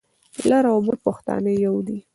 لر او بر پښتانه يو دي.